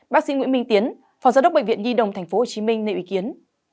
bác sĩ nguyễn minh tiến phòng giáo đốc bệnh viện nhi đồng tp hcm nêu ý kiến